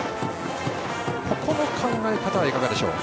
ここも考え方はいかがでしょう。